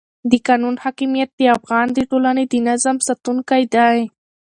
د قانون حاکمیت د افغانستان د ټولنې د نظم ساتونکی دی